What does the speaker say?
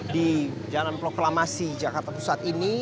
di jalan proklamasi jakarta pusat ini